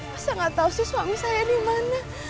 masa nggak tau sih suami saya dimana